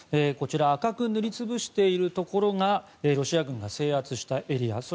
こちら赤く塗り潰しているところがロシア軍が制圧したエリア。